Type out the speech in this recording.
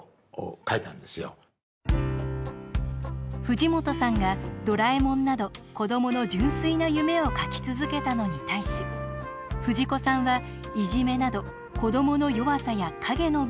藤本さんが「ドラえもん」など子どもの純粋な夢を描き続けたのに対し藤子さんはいじめなど子どもの弱さや影の部分に目を向けました。